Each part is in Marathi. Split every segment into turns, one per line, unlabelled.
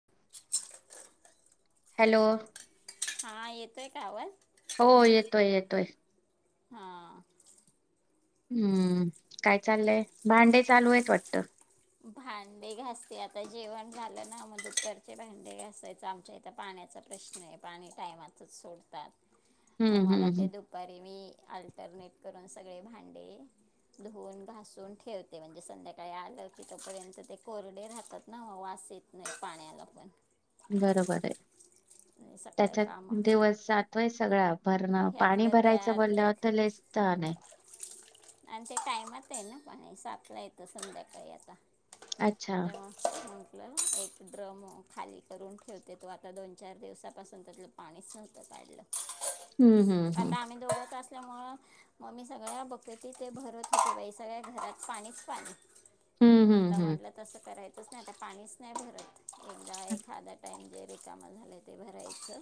[unintelligible]
हॅलो
हा येतोय का आवाज
हो येतोय येतोय
हा
हम्म काय चाललंय भांडे चालू आहेत वाटते
भांडे घासते आता जेवण झालं ना मजुत्तरचे भांडे घासायच आमच्या इथे पाण्याचा प्रश्न आहे पाणी टायमाचच सोडतात मग
हम्म हम्म
मला ते
हम्म
दुपारी मी अल्टरनेट करून सगळे भांडे धुवून घासून ठेवते म्हणजे संध्याकाळी आलं तिथपर्यंत ते कोरडे राहतात ना वास येत नाही पाण्याला पण
बरोबर आहे
आणि सकाळी कामं
त्यांच्यात दिवस जाते वा आहे सगळा भरण पाणी
ह्यातलं
भरायचं
त्या त्यात
बोलल्यावरत ललेच छान आहे
आणि ते टायमात आहे ना पण सापला येतो संध्याकाळी आता
अच्छा
तेव आपलं एक ड्रम खाली करून ठेवते तो आता दोन चार दिवसापासून त्यातलं पाणीच नव्हतं नाहीलं
हम्म हम्म
आता आम्ही दोळ्याततो त्यामुळं मग मी सगळ्या बघते की ते भरवत होे बाई सगळ्या घरात पाणीच पाणी
हम्म
ग आता
हम्म हम्म
म्हटलं तसं करायचंच नाही आता पाणीच नाही भरत एकदा खादा्या टायम जे बे काम झालं ते भरायचं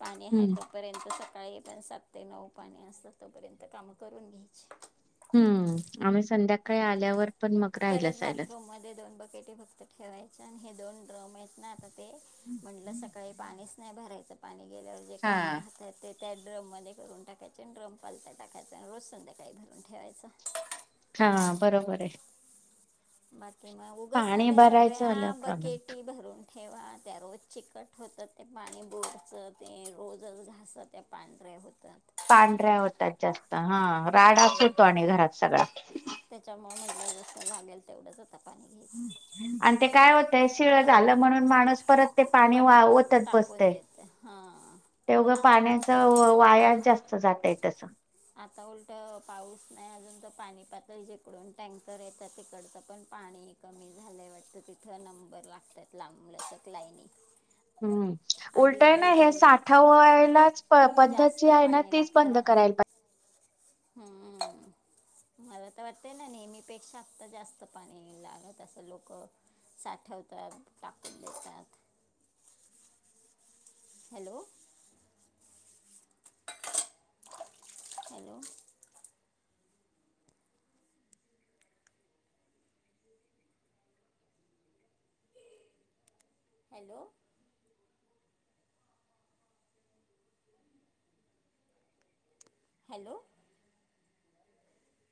पाणी
हम्म
आहे
हम्म
तोपर्यंत सकाळी सात ते नऊ पाणी असत तोपर्यंत काम करून घ्यायची
हम्म आम्ही संध्याकाळी आल्यावर पण मग राहिलं
परत
सायलंच
बाथरूम मध्ये दोन बकेटे फक्त ठेवायचे आणि हे दोन ड्रम आहेत ना आ ते म्हंलं सकाळी पाणीच नाही भरायचं पाणी गेल्यावर जे
हा
कामं राहतात ते त्या ड्रममध्ये करून टाकायच ड्रम पालता टाकायचां आणि रोज संध्याकाळी भरून ठेवायचं
हा बरोबर आहे
बाकी मग उगच ना
पाणी
त्या
भरायचं
सगळ्या
आलं प्रॉब्लेम
बकेटी भरून ठेवा त्या रोज चिकट होतं ते पाणी बोरचं ते रोजच घासत त्या पांढर नाही होतं
पांढऱ्या होतात जास्त हा राडा सु
हं.
होतो आणि घरात सगळा
जलं जसंगेल तेवढंच होतं पाणी घ्यायचं
आणि ते काय होतय शिळ झालं म्हणून माणूस परत ते पाणी
पटा
वात
टाकून
बसते
द्यायचं हां
तेवघं पाण्याच वाया जास्त जात आहे तस
आता उलट पाऊस नाही अजून तर पाणी पातळी जेकडून टँकर येतात तिकडचं पण पाणी कमी झाल्या वाट तिथ नंबर लागतात लांबल लचक लाईनी
हम्म
आधी
उलटाय ना हे
डिझेल
साठवायलाच पद्धत जी
जास्त
आहे ना
पाणी
तीच बंद
लागतं
करायला पाहिजे
हम्म मला तर वाटतय ना नेहमीपेक्षा आता जास्त पाणी लागत असं लोक साठवतात टाकून देतात हॅलो हॅलो हॅलो हॅलो